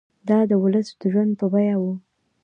دا د ولس د ژوند په بیه وو.